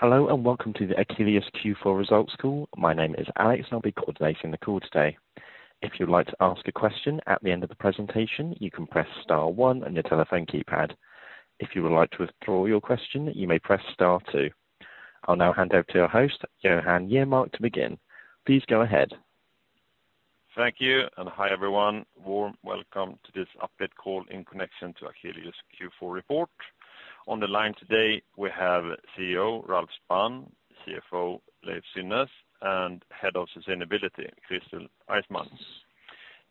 Hello, welcome to the Akelius Q4 Results Call. My name is Alex, and I'll be coordinating the call today. If you'd like to ask a question at the end of the presentation, you can press star one on your telephone keypad. If you would like to withdraw your question, you may press star two. I'll now hand over to your host, Johan Jernmar to begin. Please go ahead. Thank you, and hi, everyone. Warm welcome to this update call in connection to Akelius Q4 report. On the line today, we have CEO Ralf Spann, CFO Leiv Synnes, and Head of Sustainability, Christel Eijmans.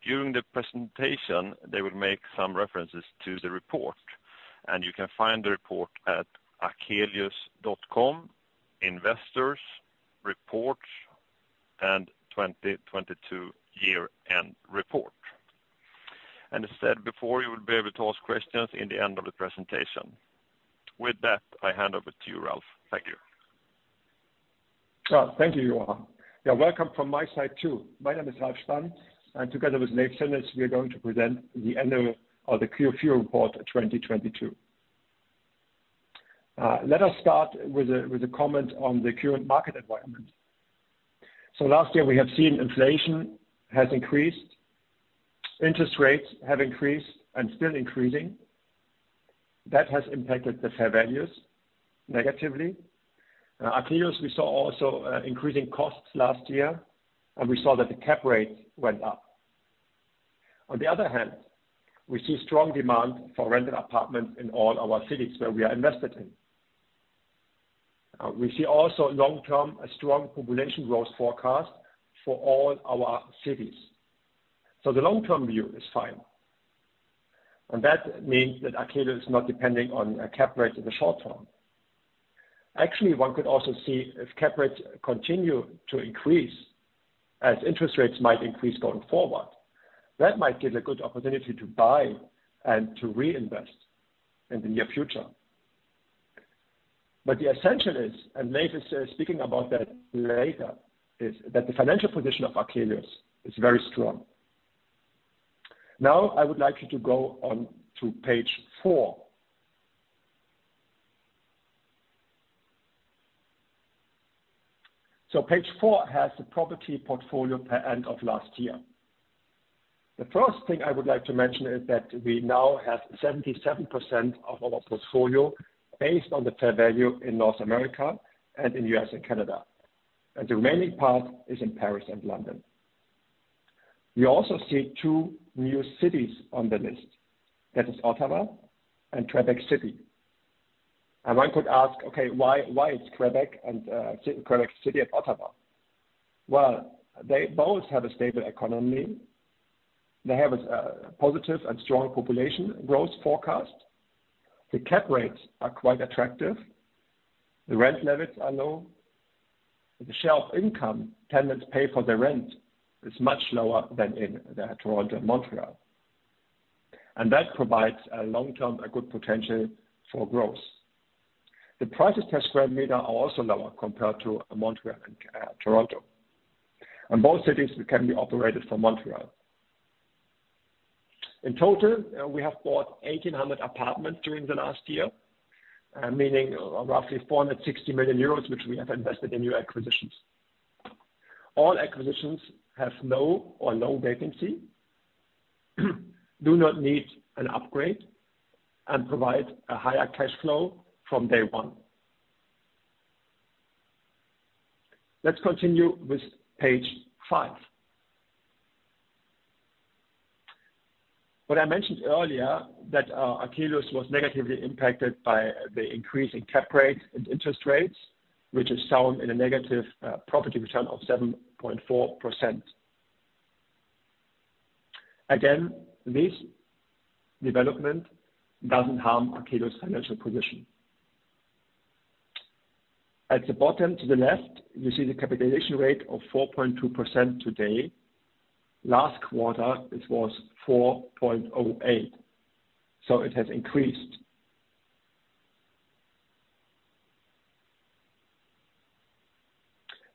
During the presentation, they will make some references to the report. You can find the report at akelius.com, investors, reports, and 2022 year-end report. As said before, you will be able to ask questions in the end of the presentation. With that, I hand over to you, Ralf. Thank you. Thank you, Johan. Yeah, welcome from my side too. My name is Ralf Spann, and together with Leiv Synnes, we are going to present the annual or the Q4 report 2022. Let us start with a comment on the current market environment. Last year we have seen inflation has increased. Interest rates have increased and still increasing. That has impacted the fair values negatively. At Akelius, we saw also increasing costs last year, and we saw that the cap rate went up. On the other hand, we see strong demand for rental apartments in all our cities where we are invested in. We see also long-term a strong population growth forecast for all our cities. The long-term view is fine. That means that Akelius is not depending on a cap rate in the short term. Actually, one could also see if cap rates continue to increase as interest rates might increase going forward. That might give a good opportunity to buy and to reinvest in the near future. The essential is, and Leiv is speaking about that later, is that the financial position of Akelius is very strong. Now, I would like you to go on to page four. Page 4 has the property portfolio per end of last year. The first thing I would like to mention is that we now have 77% of our portfolio based on the fair value in North America and in US and Canada. The remaining part is in Paris and London. We also see two new cities on the list. That is Ottawa and Quebec City. One could ask, "Okay, why is Quebec City and Ottawa?" They both have a stable economy. They have a positive and strong population growth forecast. The cap rates are quite attractive. The rent levels are low. The shelf income tenants pay for the rent is much lower than in Toronto and Montreal. That provides a long-term, a good potential for growth. The prices per square meter are also lower compared to Montreal and Toronto. Both cities can be operated from Montreal. In total, we have bought 1,800 apartments during the last year, meaning roughly 460 million euros, which we have invested in new acquisitions. All acquisitions have no or low vacancy, do not need an upgrade, and provide a higher cash flow from day one. Let's continue with page 5. What I mentioned earlier that Akelius was negatively impacted by the increase in cap rate and interest rates, which is shown in a negative property return of 7.4%. Again, this development doesn't harm Akelius' financial position. At the bottom to the left, you see the capitalization rate of 4.2% today. Last quarter, it was 4.08%. It has increased.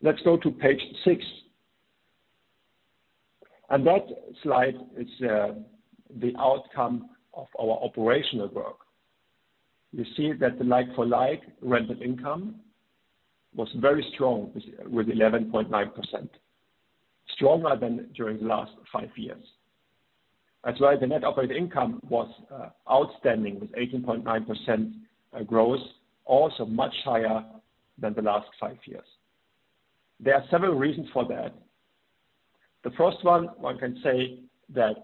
Let's go to page 6. That slide is the outcome of our operational work. You see that the like for like rental income was very strong with 11.9%. Stronger than during the last 5 years. That's why the net operating income was outstanding with 18.9% growth, also much higher than the last 5 years. There are several reasons for that. The first one can say that,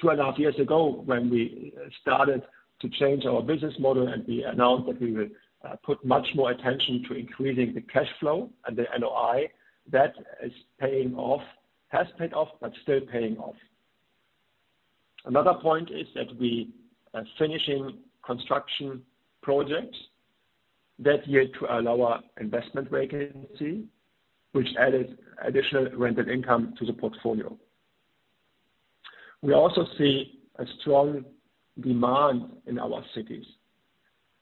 two and a half years ago, when we started to change our business model and we announced that we would put much more attention to increasing the cash flow and the NOI, that is paying off. Has paid off, still paying off. Another point is that we are finishing construction projects that lead to a lower investment vacancy, which added additional rental income to the portfolio. We also see a strong demand in our cities.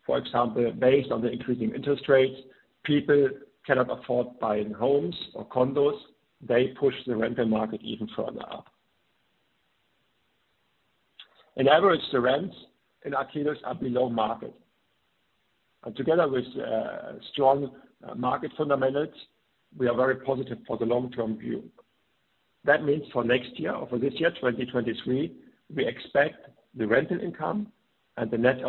For example, based on the increasing interest rates, people cannot afford buying homes or condos. They push the rental market even further up. In average, the rents in Akelius are below market. Together with strong market fundamentals, we are very positive for the long-term view. That means for next year or for this year, 2023, we expect the rental income and the net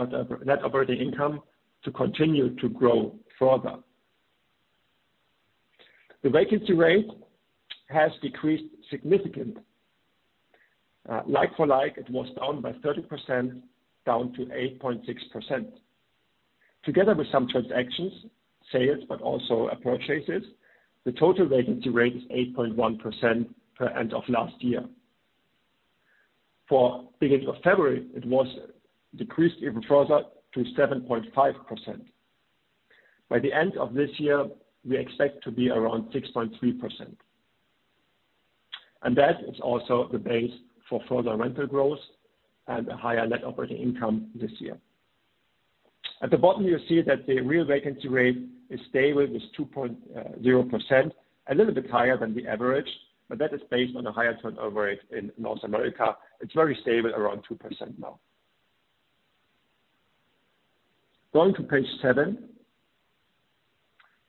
operating income to continue to grow further. The vacancy rate has decreased significant. Like for like it was down by 30%, down to 8.6%. Together with some transactions, sales, but also purchases, the total vacancy rate is 8.1% per end of last year. For beginning of February, it was decreased even further to 7.5%. By the end of this year, we expect to be around 6.3%. That is also the base for further rental growth and a higher net operating income this year. At the bottom, you see that the real vacancy rate is stable, is 2.0%, a little bit higher than the average. That is based on a higher turnover rate in North America. It's very stable around 2% now. Going to page 7.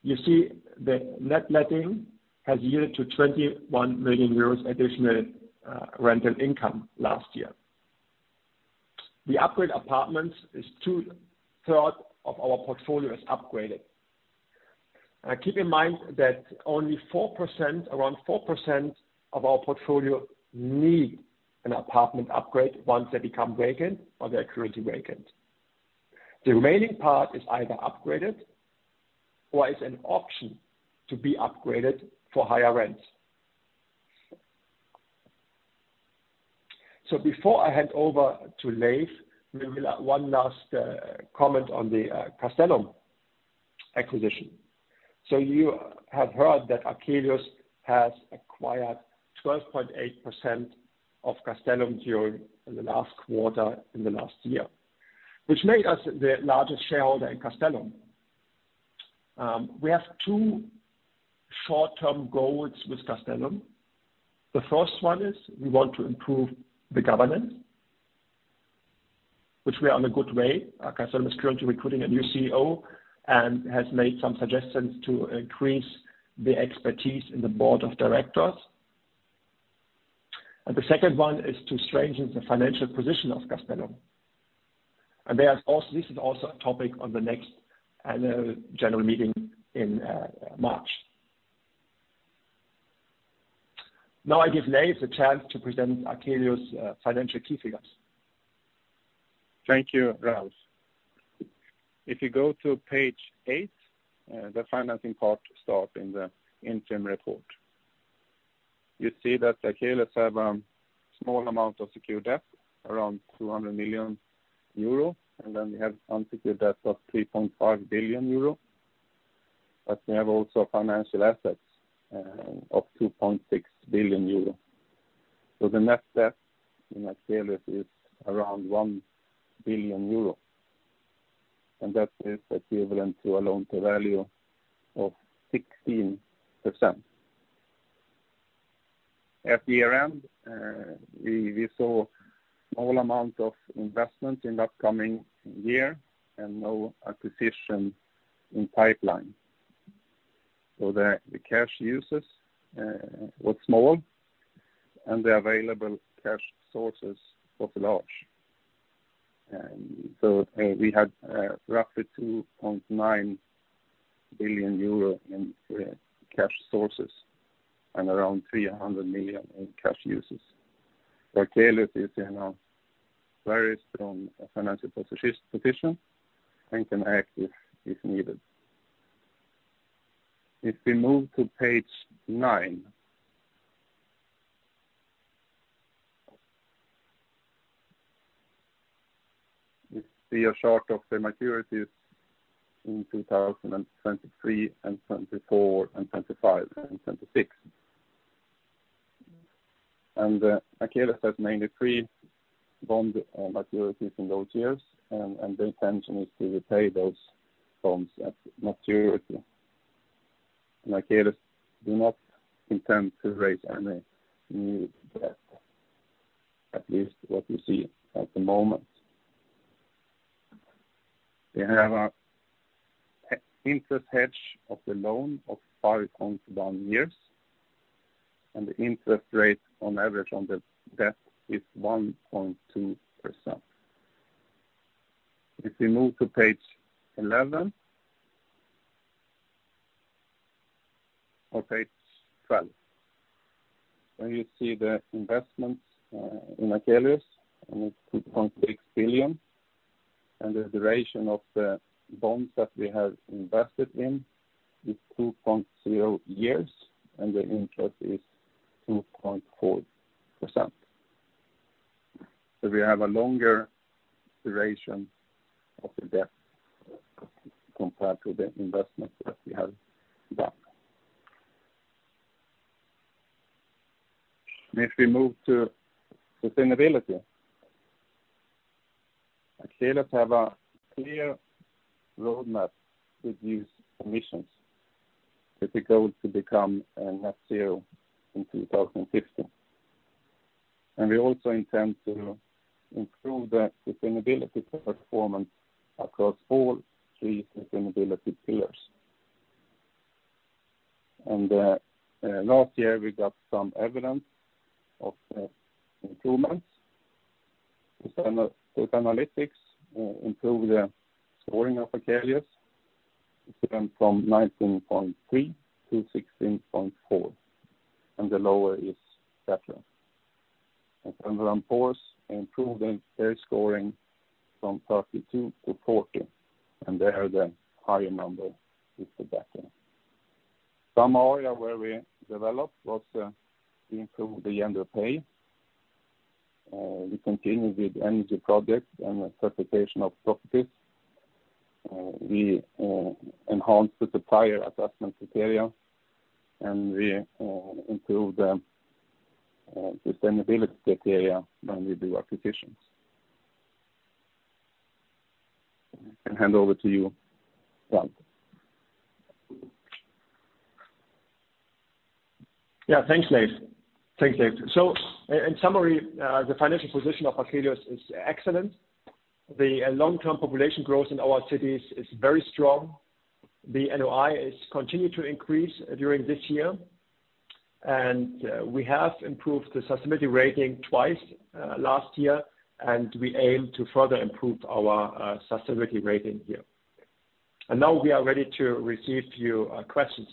You see the net letting has yielded to 21 million euros additional rental income last year. The upgrade apartments is two-third of our portfolio is upgraded. Keep in mind that only 4%, around 4% of our portfolio need an apartment upgrade once they become vacant or they're currently vacant. The remaining part is either upgraded or is an option to be upgraded for higher rents. Before I hand over to Leiv, maybe one last comment on the Castellum acquisition. You have heard that Akelius has acquired 12.8% of Castellum during the last quarter in the last year, which made us the largest shareholder in Castellum. We have two short-term goals with Castellum AB. The first one is we want to improve the governance, which we are on a good way. Castellum is currently recruiting a new CEO and has made some suggestions to increase the expertise in the board of directors. The second one is to strengthen the financial position of Castellum. This is also a topic on the next annual general meeting in March. I give Leiv the chance to present Akelius' financial key figures. Thank you, Ralf. You go to page 8, the financing part start in the interim report. You see that Akelius have small amount of secure debt, around 200 million euro, then we have unsecured debt of 3.5 billion euro. We have also financial assets of 2.6 billion euro. The net debt in Akelius is around 1 billion euro, that is equivalent to a loan to value of 16%. At year-end, we saw all amount of investment in the upcoming year no acquisition in pipeline. The cash uses was small, the available cash sources was large. We had roughly 2.9 billion euro in cash sources and around 300 million in cash uses. Akelius is in a very strong financial position and can act if needed. If we move to page 9. You see a chart of the maturities in 2023, 2024, 2025, and 2026. Akelius has mainly three bond maturities in those years. The intention is to repay those bonds at maturity. Akelius do not intend to raise any new debt, at least what we see at the moment. We have a interest hedge of the loan of 5.1 years, and the interest rate on average on the debt is 1.2%. If we move to page 11. Page 12. Where you see the investments in Akelius, it's 2.6 billion, and the duration of the bonds that we have invested in is 2.0 years, and the interest is 2.4%. We have a longer duration of the debt compared to the investment that we have done. If we move to sustainability. Akelius have a clear roadmap to reduce emissions with the goal to become net zero in 2050. We also intend to improve the sustainability performance across all three sustainability pillars. Last year, we got some evidence of improvements. The Sustainalytics improved the scoring of Akelius. It went from 19.3 to 16.4, and the lower is better. On GRESB, improved their scoring from 32 to 40, and there the higher number is the better. Some area where we developed was, we improved the gender pay. We continued with energy projects and the certification of properties. We enhanced the supplier assessment criteria, and we improved the sustainability criteria when we do acquisitions. I hand over to you, Frank. Yeah. Thanks, Leiv. Thanks, Leiv. In summary, the financial position of Akelius is excellent. The long-term population growth in our cities is very strong. The NOI is continued to increase during this year. We have improved the sustainability rating twice last year, and we aim to further improve our sustainability rating here. Now we are ready to receive your questions.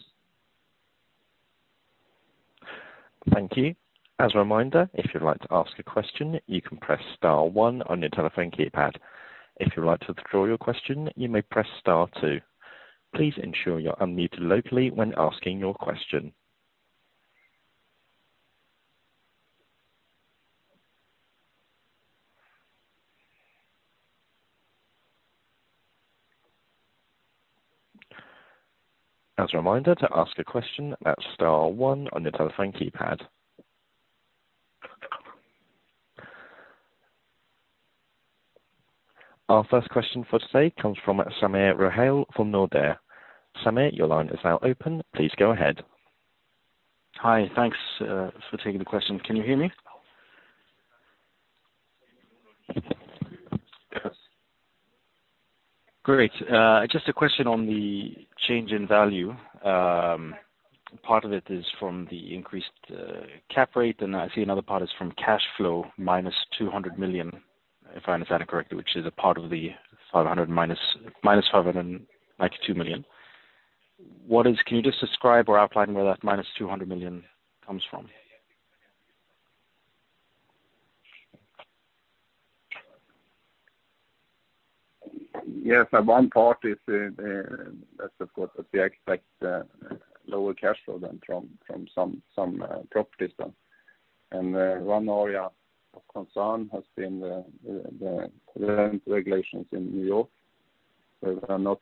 Thank you. As a reminder, if you'd like to ask a question, you can press star one on your telephone keypad. If you'd like to withdraw your question, you may press star two. Please ensure you're unmuted locally when asking your question. As a reminder to ask a question, that's star one on your telephone keypad. Our first question for today comes from Samir Ruhan from Nordea. Samir, your line is now open. Please go ahead. Hi. Thanks for taking the question. Can you hear me? Yes. Great. Just a question on the change in value. Part of it is from the increased cap rate, and I see another part is from cash flow -200 million, if I understand correctly, which is a part of the -592 million. Can you just describe or outline where that -200 million comes from? Yes. One part is, that's, of course, that we expect, lower cash flow than from some properties. One area of concern has been the rent regulations in New York, where we are not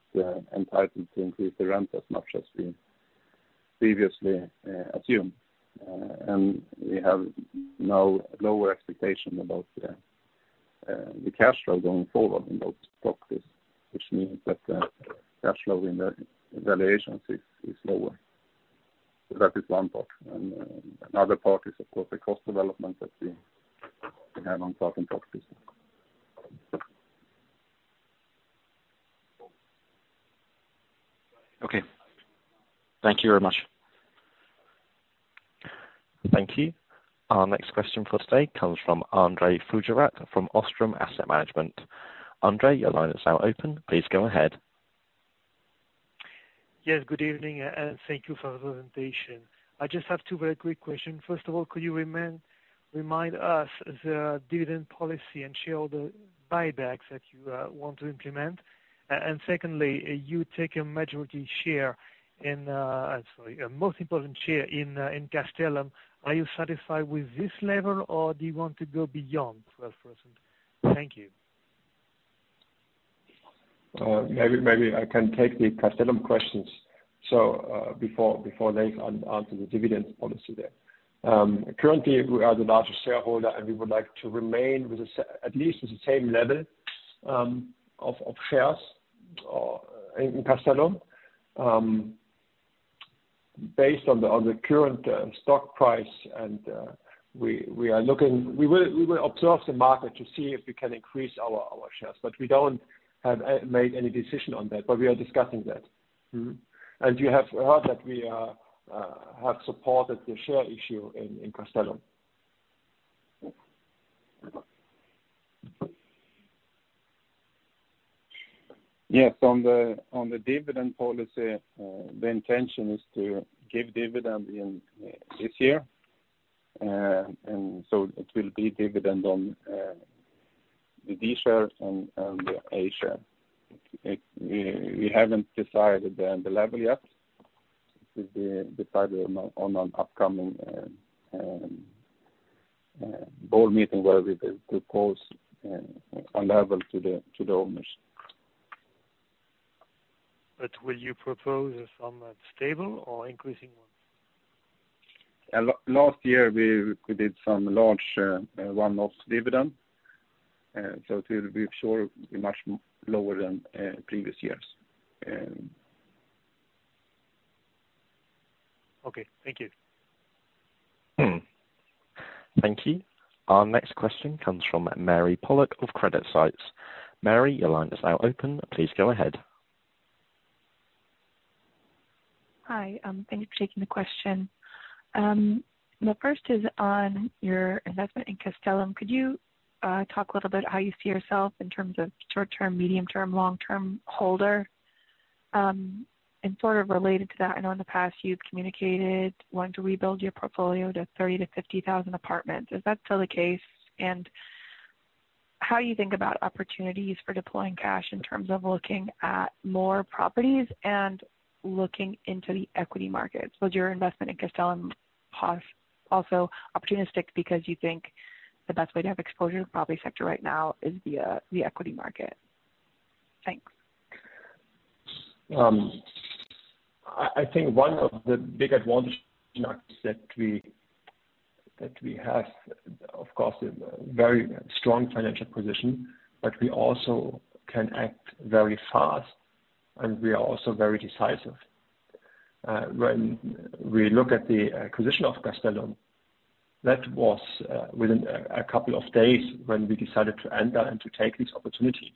entitled to increase the rent as much as we previously assumed. We have now lower expectation about the cash flow going forward in those properties, which means that the cash flow in the valuations is lower. That is one part. Another part is, of course, the cost development that we have on certain properties. Okay. Thank you very much. Thank you. Our next question for today comes from André Fagerberg from Ostrum Asset Management. André, your line is now open. Please go ahead. Yes, good evening, and thank you for the presentation. I just have two very quick questions. First of all, could you remind us the dividend policy and share the buybacks that you want to implement? Secondly, you take a majority share in, sorry, a most important share in Castellum. Are you satisfied with this level, or do you want to go beyond 12%? Thank you. Uh, maybe I can take the Castellum questions. So, uh, before Leif answers the dividend policy there. Um, currently we are the largest shareholder, and we would like to remain with the sa-- at least with the same level, um, of, of shares, uh, in Castellum, um, based on the, on the current, uh, stock price. Uh, we, we are looking... We will observe the market to see if we can increase our, our shares, but we don't have, uh, made any decision on that, but we are discussing that. Mm-hmm. You have heard that we are have supported the share issue in Castellum. Yes. On the dividend policy, the intention is to give dividend in this year. It will be dividend on the D shares and the A share. We haven't decided the level yet. It will be decided on upcoming board meeting where we will propose a level to the owners. Will you propose some, stable or increasing one? Last year we did some large one-off dividend. To be sure much lower than previous years. Okay. Thank you. Mm-hmm. Thank you. Our next question comes from Mary Pollock of CreditSights. Mary, your line is now open. Please go ahead. Hi. Thank you for taking the question. My first is on your investment in Castellum. Could you talk a little bit how you see yourself in terms of short-term, medium-term, long-term holder? Sort of related to that, I know in the past you've communicated wanting to rebuild your portfolio to 30,000-50,000 apartments. Is that still the case? How you think about opportunities for deploying cash in terms of looking at more properties and looking into the equity markets. Was your investment in Castellum also opportunistic because you think the best way to have exposure to the property sector right now is via the equity market? Thanks. I think one of the big advantage, you know, that we, that we have, of course, a very strong financial position, but we also can act very fast, and we are also very decisive. When we look at the acquisition of Castellum, that was within a couple of days when we decided to enter and to take this opportunity.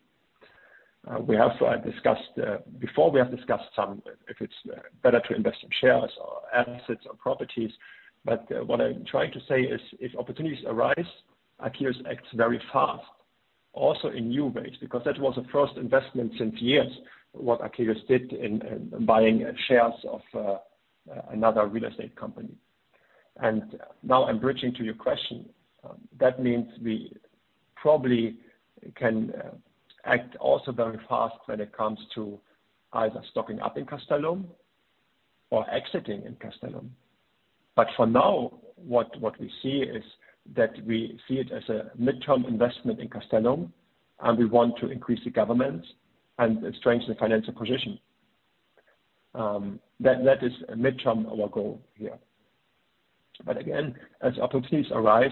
We have discussed before we have discussed some if it's better to invest in shares or assets or properties. What I'm trying to say is if opportunities arise, Akelius acts very fast, also in new ways, because that was the first investment since years, what Akelius did in buying shares of another real estate company. Now I'm bridging to your question. That means we probably can act also very fast when it comes to either stocking up in Castellum or exiting in Castellum. For now, what we see is that we see it as a mid-term investment in Castellum, and we want to increase the government and strengthen the financial position. That is mid-term our goal here. Again, as opportunities arise,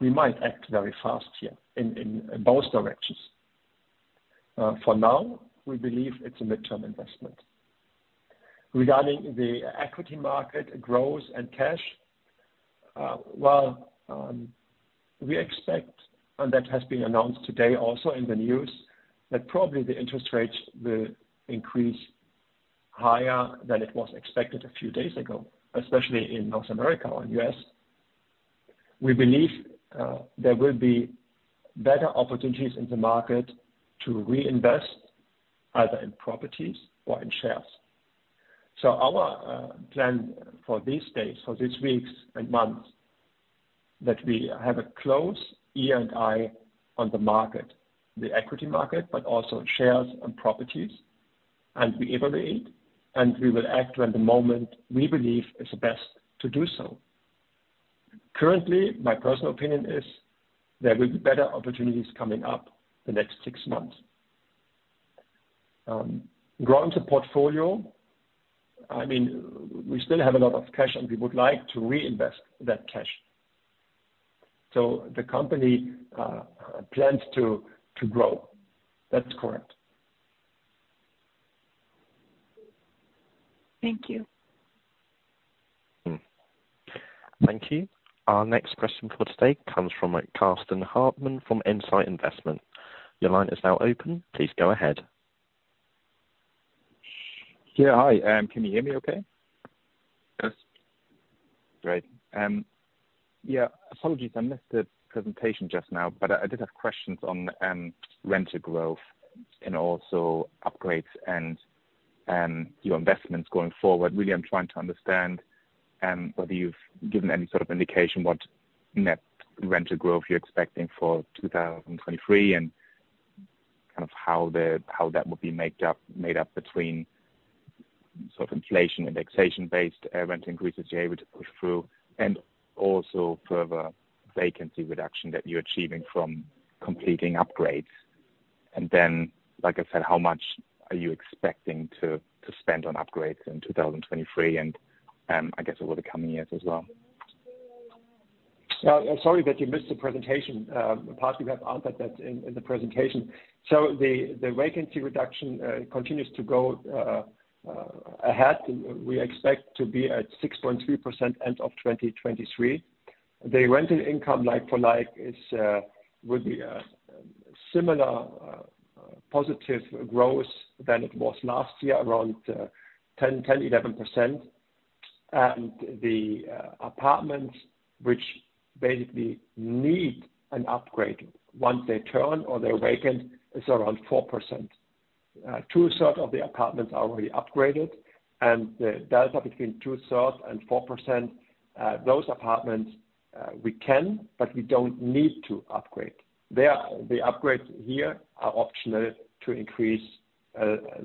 we might act very fast here in both directions. For now, we believe it's a mid-term investment. Regarding the equity market growth and cash, well, we expect, and that has been announced today also in the news, that probably the interest rates will increase higher than it was expected a few days ago, especially in North America and U.S. We believe there will be better opportunities in the market to reinvest either in properties or in shares. Our plan for these days, for these weeks and months, that we have a close ear and eye on the market, the equity market, but also shares and properties, and we evaluate, and we will act when the moment we believe is best to do so. Currently, my personal opinion is there will be better opportunities coming up the next six months. Growing the portfolio, I mean, we still have a lot of cash and we would like to reinvest that cash. The company plans to grow. That's correct. Thank you. Mm-hmm. Thank you. Our next question for today comes from Karsten Hartmann from Insight Investment. Your line is now open. Please go ahead. Yeah. Hi. Can you hear me okay? Yes. Great. Yeah. Apologies, I missed the presentation just now, but I did have questions on renter growth and also upgrades and your investments going forward. Really, I'm trying to understand whether you've given any indication what net renter growth you're expecting for 2023, and how that would be made up between inflation indexation based rent increases you're able to push through, and also further vacancy reduction that you're achieving from completing upgrades. Like I said, how much are you expecting to spend on upgrades in 2023 and I guess over the coming years as well? Yeah. Sorry that you missed the presentation. Part we have answered that in the presentation. The vacancy reduction continues to go ahead. We expect to be at 6.3% end of 2023. The rental income, like-for-like is, will be similar positive growth than it was last year, around 10, 11%. The apartments which basically need an upgrade once they turn or they're vacant, is around 4%. 2/3 of the apartments are already upgraded, and the delta between two-third and 4%, those apartments, we can, but we don't need to upgrade. The upgrades here are optional to increase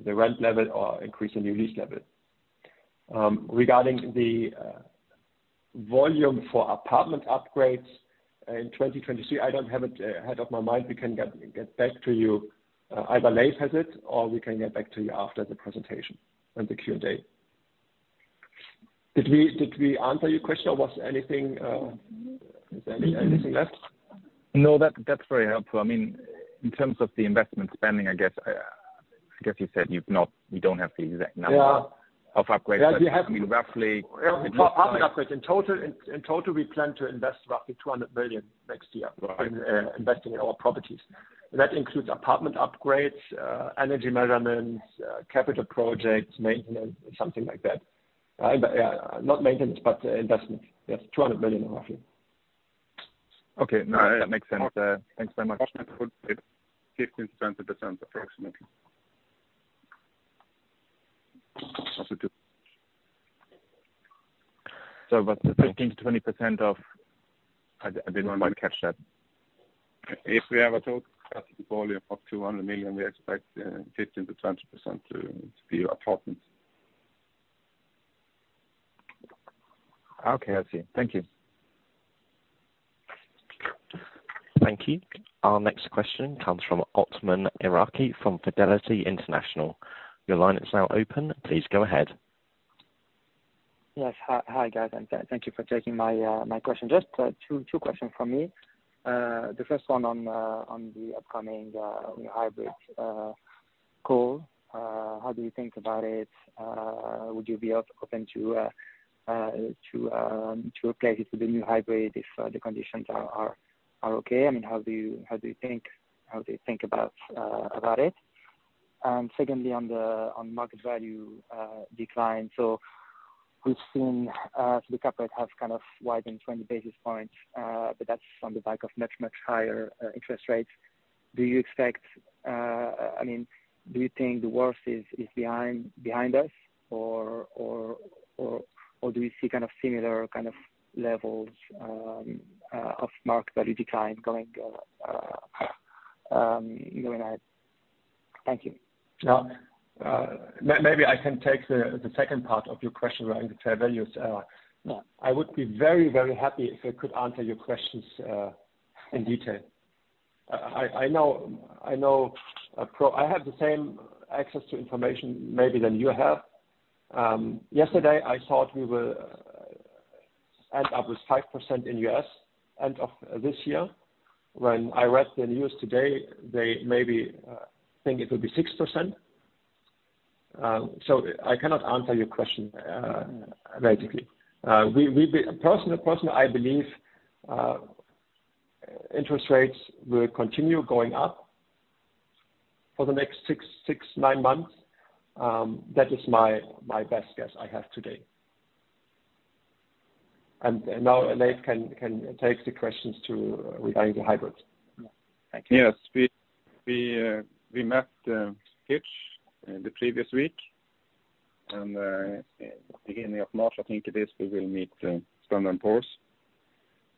the rent level or increase the new lease level. Regarding the volume for apartment upgrades in 2023, I don't have it head of my mind. We can get back to you. Either Leif has it or we can get back to you after the presentation and the Q&A. Did we answer your question or was anything, is there anything left? No. That's very helpful. I mean, in terms of the investment spending, I guess you said you don't have the exact number. Yeah. of upgrades. Yeah. I mean, roughly Apartment upgrades. In total, we plan to invest roughly 200 billion next year. Right. Investing in our properties. That includes apartment upgrades, energy measurements, capital projects, maintenance, something like that. Not maintenance, but investment. Yes, 200 million roughly. Okay. No, that makes sense. Thanks so much. 15%-20% approximately. But the 15%-20% of... I didn't quite catch that. If we have a total asset volume of 200 million, we expect 15%-20% to be apartments. Okay. I see. Thank you. Thank you. Our next question comes from Othman Iraki from Fidelity International. Your line is now open. Please go ahead. Yes. Hi. Guys. Thank you for taking my question. Just two questions from me. The first one on the upcoming hybrid call. How do you think about it? Would you be open to apply it to the new hybrid if the conditions are okay? I mean, how do you think about it? Secondly, on the market value decline. We've seen the capital have widened 20 basis points, but that's on the back of much, much higher interest rates. Do you expect...I mean, do you think the worst is behind us or do we see similar levels of market value decline going ahead? Thank you. Yeah. Maybe I can take the second part of your question around the fair values. I would be very, very happy if I could answer your questions in detail. I know I have the same access to information maybe than you have. Yesterday, I thought we will end up with 5% in US end of this year. When I read the news today, they maybe think it will be 6%. So I cannot answer your question directly. Personally, I believe interest rates will continue going up for the next 6, 9 months. That is my best guess I have today. Now Leiv can take the questions to regarding the hybrids. Thank you. Yes. We met Fitch in the previous week. Beginning of March, I think it is, we will meet Standard & Poor's.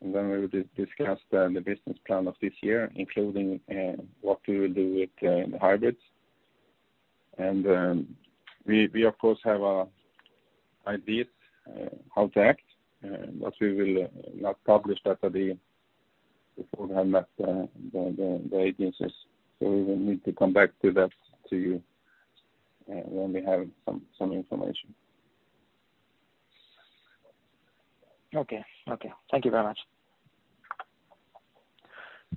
Then we will discuss the business plan of this year, including what we will do with the hybrids. We of course have ideas how to act, but we will not publish that until we have met the agencies. We will need to come back to that to you when we have some information. Okay. Thank you very much.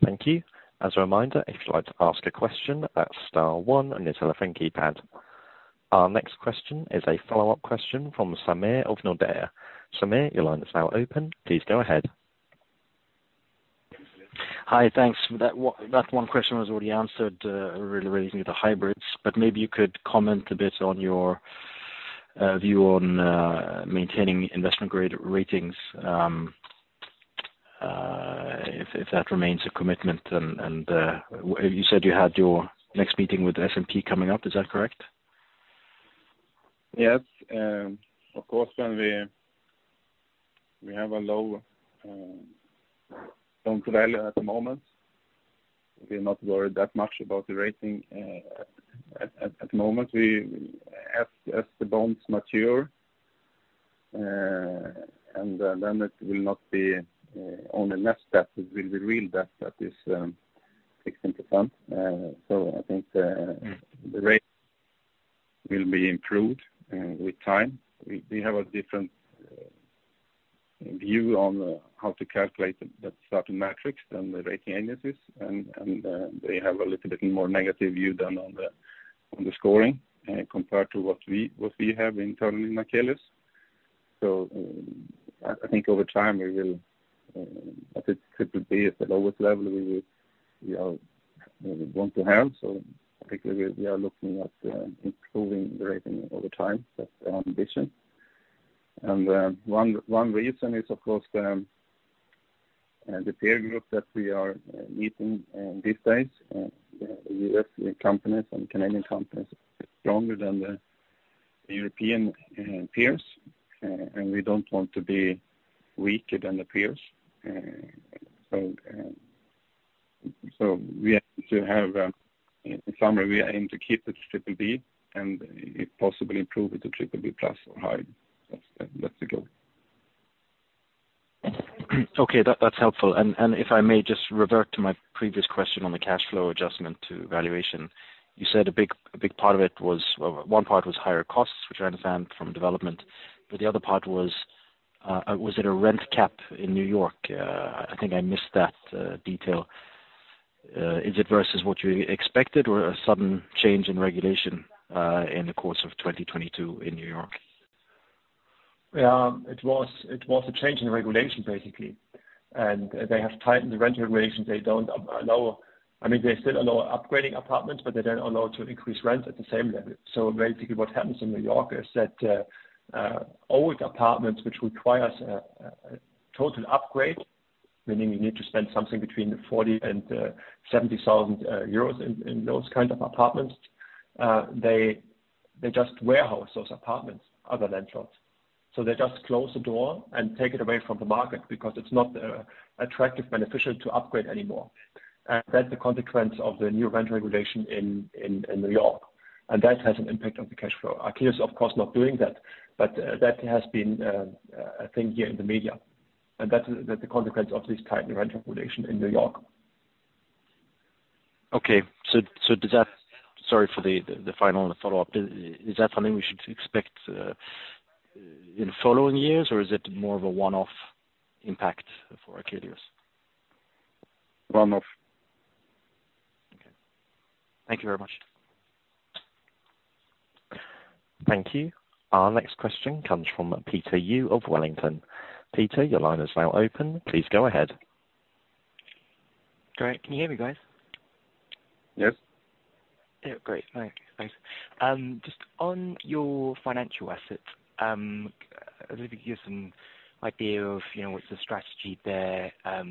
Thank you. As a reminder, if you'd like to ask a question, that's star one on your telephone keypad. Our next question is a follow-up question from Samir of Nordea. Samir, your line is now open. Please go ahead. Hi. Thanks. That one question was already answered, really relating to the hybrids. Maybe you could comment a bit on your view on maintaining investment-grade ratings, if that remains a commitment. You said you had your next meeting with S&P coming up. Is that correct? Yes. Of course, when we have a low bond value at the moment, we're not worried that much about the rating at the moment. As the bonds mature, then it will not be only less debt, it will be real debt that is 16%. I think the rate will be improved with time. We have a different view on how to calculate certain metrics than the rating agencies. They have a little bit more negative view than on the scoring compared to what we have internally in Akelius. I think over time we will, as it could be at the lowest level we will, we are want to have. King at improving the rating over time. That's our ambition. One reason is, of course, the peer group that we are meeting these days. U.S. companies and Canadian companies are stronger than the European peers. We don't want to be weaker than the peers. In summary, we aim to keep the BBB and if possibly improve it to BBB+ or high. That's the goal. Okay. That's helpful. If I may just revert to my previous question on the cash flow adjustment to valuation. You said a big part of it was one part was higher costs, which I understand from development, the other part was it a rent cap in New York? I think I missed that detail. Is it versus what you expected or a sudden change in regulation in the course of 2022 in New York? It was a change in regulation, basically. They have tightened the rent regulations. I mean, they still allow upgrading apartments, but they don't allow to increase rent at the same level. Basically what happens in New York is that old apartments which require a total upgrade, meaning you need to spend something between 40,000 and 70,000 euros in those apartments, they just warehouse those apartments, other landlords. They just close the door and take it away from the market because it's not attractive beneficial to upgrade anymore. That's the consequence of the new rent regulation in New York. That has an impact on the cash flow. Akelius, of course, not doing that, but that has been a thing here in the media, and that's the consequence of this tight rent regulation in New York. Okay. Sorry for the final follow-up. Is that something we should expect in following years, or is it more of a one-off impact for Akelius? One-off. Okay. Thank you very much. Thank you. Our next question comes from Peter Yu of Wellington. Peter, your line is now open. Please go ahead. Great. Can you hear me guys? Yes. Yeah. Great. Thanks. Just on your financial assets, maybe give some idea of, you know, what's the strategy there.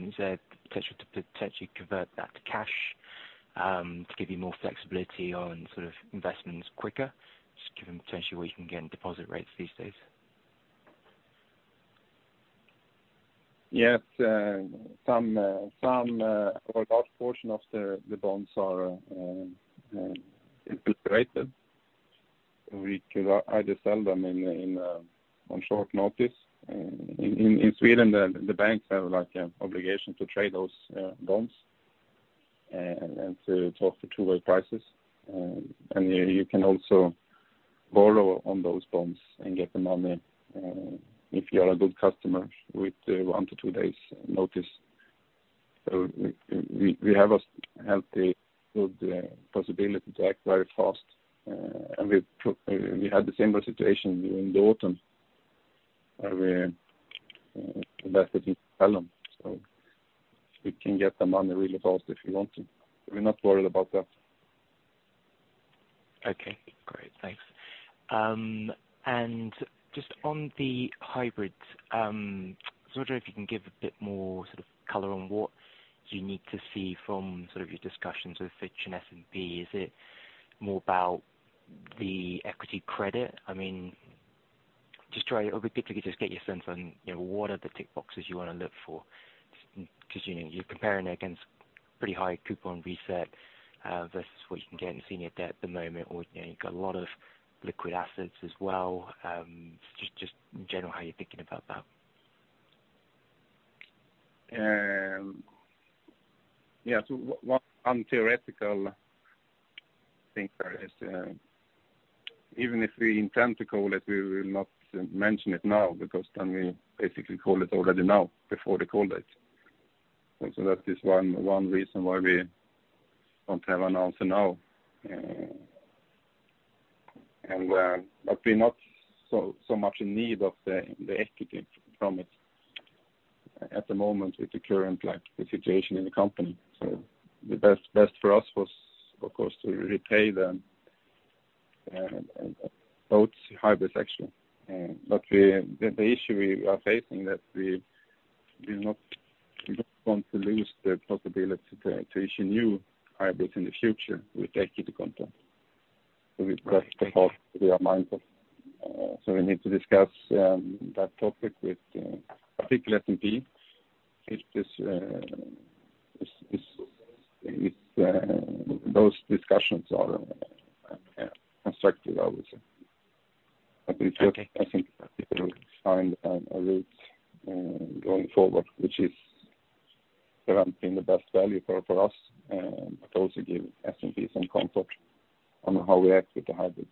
Is there potential to potentially convert that to cash, to give you more flexibility on investments quicker, just given potentially where you can get deposit rates these days? Yes. Some, or a large portion of the bonds are integrated. We could either sell them in on short notice. In Sweden, the banks have like a obligation to trade those bonds and to talk to two-way prices. You can also borrow on those bonds and get the money if you are a good customer with 1 to 2 days notice. We have the good possibility to act very fast. We had the same situation in the autumn where investors sell them so we can get the money really fast if we want to. We're not worried about that. Okay, great. Thanks. Just on the hybrids, so I wonder if you can give a bit more color on what you need to see from your discussions with Fitch and S&P. Is it more about the equity credit? I mean, just try it over particularly just get your sense on, you know, what are the tick boxes you wanna look for just because, you know, you're comparing against pretty high coupon reset versus what you can get in senior debt at the moment or, you know, you've got a lot of liquid assets as well. Just in general, how you're thinking about that. Yeah. On theoretical things there is, even if we intend to call it, we will not mention it now because then we basically call it already now before they called it. That is one reason why we don't have an answer now. We're not so much in need of the equity from it at the moment with the current, like, the situation in the company. The best for us was of course to repay them, both hybrids actually. The issue we are facing that we do not want to lose the possibility to issue new hybrids in the future with equity content. We just have to be mindful. We need to discuss that topic with particularly S&P if this, if those discussions are constructive, I would say. Okay. I think people will find a route going forward, which is ramping the best value for us, but also give S&P some comfort on how we act with the hybrids.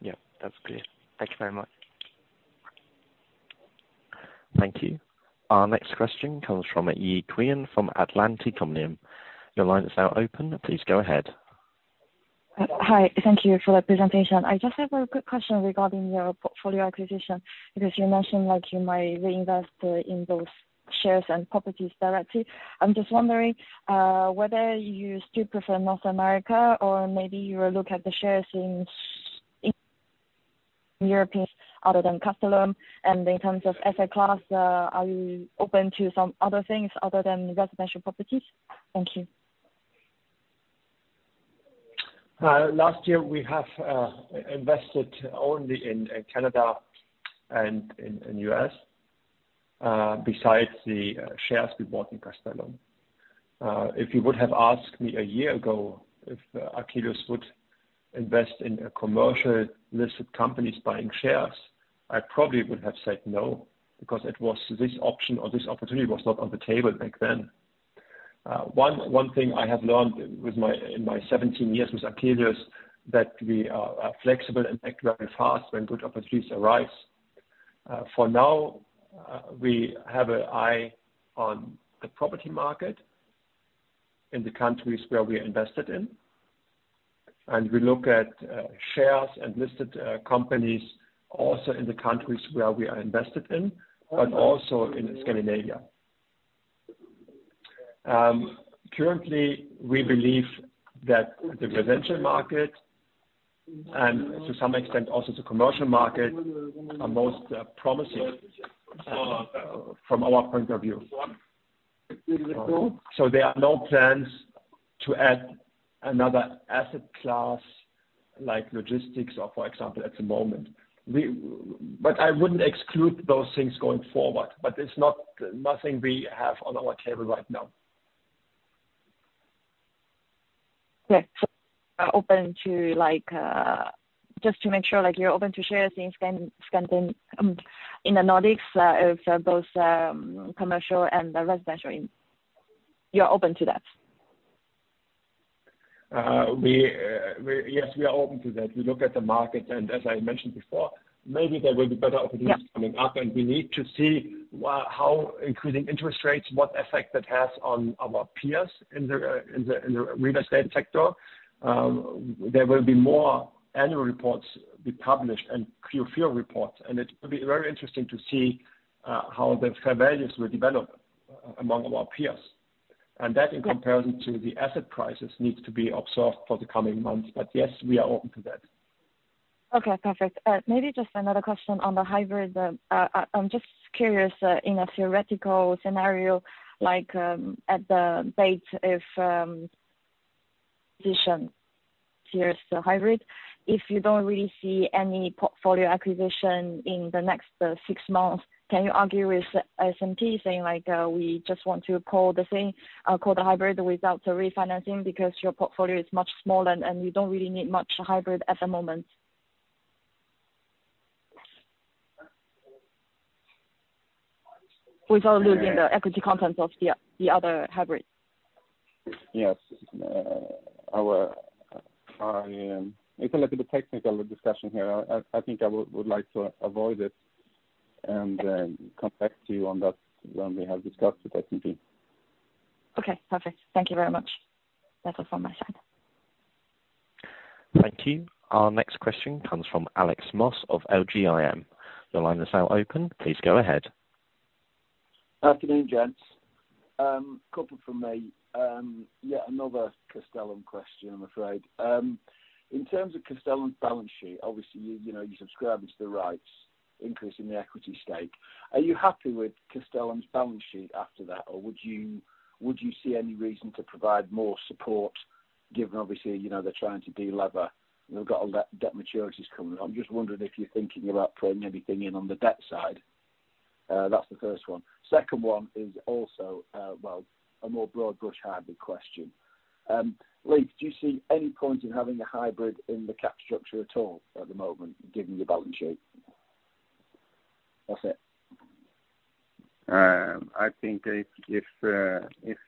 Yeah. That's clear. Thank you very much. Thank you. Our next question comes from Yi QIAN from Atlanticomnium. Your line is now open. Please go ahead. Hi. Thank you for the presentation. I just have a quick question regarding your portfolio acquisition, because you mentioned like you might reinvest in those shares and properties directly. I'm just wondering whether you still prefer North America or maybe you will look at the shares in Europeans other than Castellum. In terms of asset class, are you open to some other things other than residential properties? Thank you. Last year we have invested only in Canada and in US, besides the shares we bought in Castellum. If you would have asked me a year ago if Akelius would invest in a commercial listed companies buying shares, I probably would have said no, because it was this option or this opportunity was not on the table back then. One, one thing I have learned in my 17 years with Akelius, that we are flexible and act very fast when good opportunities arise. For now, we have an eye on the property market in the countries where we invested in, and we look at shares and listed companies also in the countries where we are invested in, but also in Scandinavia. Currently, we believe that the residential market, and to some extent also the commercial market, are most promising from our point of view. There are no plans to add another asset class like logistics or for example, at the moment. I wouldn't exclude those things going forward, but it's not nothing we have on our table right now. Okay. You are open to like, Just to make sure, like, you're open to share things in the Nordics, of both, commercial and the residential. You're open to that? Yes, we are open to that. We look at the markets, and as I mentioned before, maybe there will be better opportunities coming up, and we need to see how increasing interest rates, what effect that has on our peers in the real estate sector. There will be more annual reports be published and Q4 reports. It will be very interesting to see how the fair values will develop among our peers. That in comparison to the asset prices needs to be observed for the coming months. Yes, we are open to that. Okay. Perfect. Maybe just another question on the hybrid. I'm just curious, in a theoretical scenario like, at the date if, position here is the hybrid. If you don't really see any portfolio acquisition in the next 6 months, can you argue with S&P saying like, "We just want to call the thing, call the hybrid without the refinancing because your portfolio is much smaller and you don't really need much hybrid at the moment." Without losing the equity content of the other hybrid. Yes. It's a little bit technical discussion here. I think I would like to avoid it and come back to you on that when we have discussed with S&P. Okay. Perfect. Thank you very much. That's all from my side. Thank you. Our next question comes from Alex Moss of LGIM. Your line is now open. Please go ahead. Afternoon, gents. Couple from me. Yet another Castellum question, I'm afraid. In terms of Castellum's balance sheet, obviously, you know, you're subscribing to the rights, increasing the equity stake. Are you happy with Castellum's balance sheet after that, or would you see any reason to provide more support given obviously, you know, they're trying to delever, they've got all that debt maturities coming? I'm just wondering if you're thinking about putting anything in on the debt side. That's the first one. Second one is also, well, a more broad brush hybrid question. Leiv, do you see any point in having a hybrid in the cap structure at all at the moment, given your balance sheet? That's it. I think if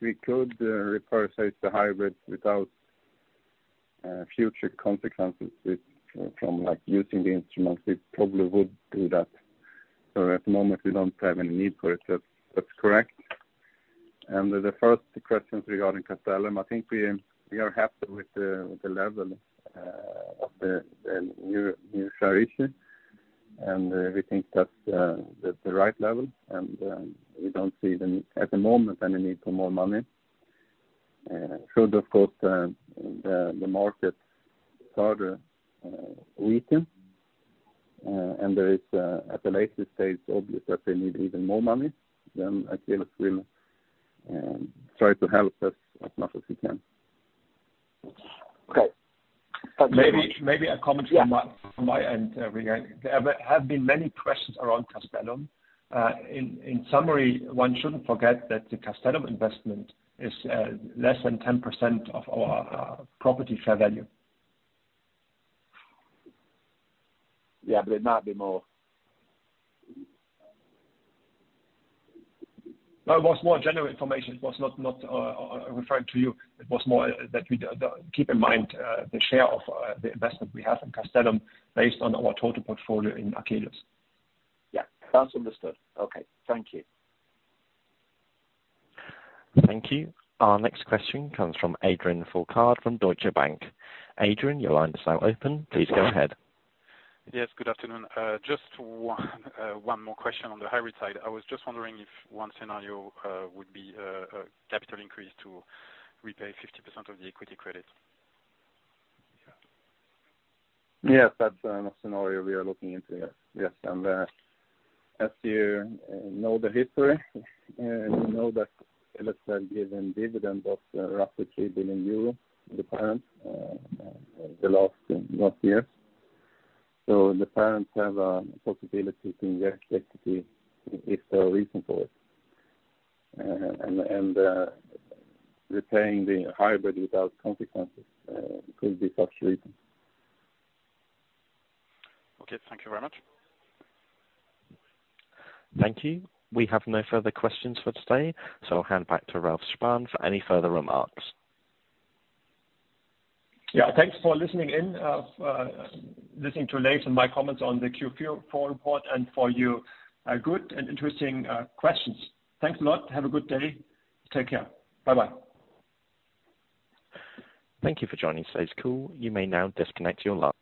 we could repurchase the hybrid without future consequences with, from like using the instruments, we probably would do that. At the moment, we don't have any need for it. That's correct. The first question regarding Castellum, I think we are happy with the level of the new share issue, and we think that that's the right level and, we don't see the need at the moment, any need for more money. Should of course, the market further weaken, and there is, at a later stage, obvious that they need even more money, then Akelius will try to help as much as we can. Okay. Thank you very much. Maybe a comment from my. Yeah. From my end, regarding. There have been many questions around Castellum. In summary, one shouldn't forget that the Castellum investment is less than 10% of our property fair value. Yeah, it might be more. No, it was more general information. It was not referring to you. It was more that we keep in mind the share of the investment we have in Castellum based on our total portfolio in Akelius. Yeah, that's understood. Okay. Thank you. Thank you. Our next question comes from Adrian Foulger from Deutsche Bank. Adrian, your line is now open. Please go ahead. Yes, good afternoon. Just one more question on the hybrid side. I was just wondering if one scenario would be a capital increase to repay 50% of the equity credit. Yes, that's an scenario we are looking into. Yes. Yes. As you know the history and you know that Akelius have given dividend of roughly 3 billion euro to the parent, the last years. The parents have a possibility to invest equity if there are reason for it. Repaying the hybrid without consequences, could be such reason. Okay. Thank you very much. Thank you. We have no further questions for today. I'll hand back to Ralf Spann for any further remarks. Yeah. Thanks for listening in. listening to Leiv's and my comments on the Q4 report and for your good and interesting questions. Thanks a lot. Have a good day. Take care. Bye-bye. Thank you for joining today's call. You may now disconnect your line.